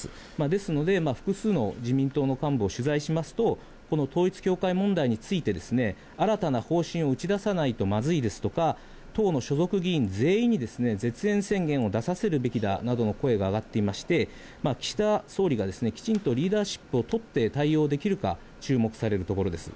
ですので、複数の自民党の幹部を取材しますと、この統一教会問題について、新たな方針を打ち出さないとまずいですとか、当の所属議員全員に絶縁宣言を出させるべきだなどの声が上がっていまして、岸田総理がきちんとリーダーシップを取って対応できるか、注目されるところです。